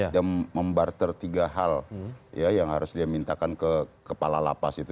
dan membarter tiga hal yang harus dia mintakan ke kepala lapas itu